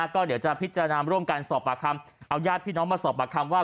ก็เดี๋ยวจะพิจารณาร่วมกันสอบปากคำเอาญาติพี่น้องมาสอบปากคำว่า